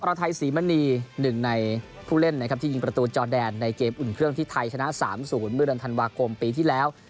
รไทยศรีมณี๑ในผู้เล่นนะครับที่ยิงประตูจอแดนในเกมอุ่นเครื่องที่ไทยชนะ๓๐เมื่อเดือนธันวาคมปีที่แล้ว